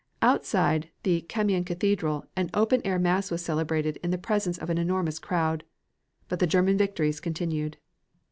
Outside the Kamian Cathedral an open air mass was celebrated in the presence of an enormous crowd. But the German victories continued.